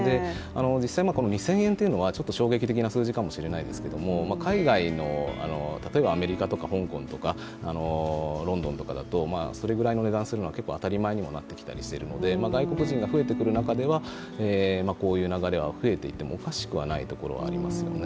実際、２０００円というのは衝撃的な数字かもしれないですけど、海外でも例えばアメリカとか香港とかロンドンとかだとそれぐらいの値段するのは結構当たり前になったりしているので外国人が増えてきている中ではこういう流れは増えていてもおかしくないところはありますよね。